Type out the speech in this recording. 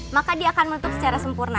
maka dia akan menutup secara sempurna